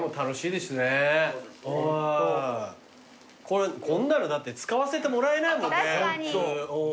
こんなのだって使わせてもらえないもんね普通。